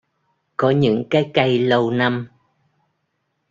Có những cái cây lâu năm